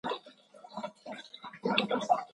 د کدو پوستکی د څه لپاره وکاروم؟